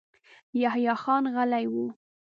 يحيی خان غلی و.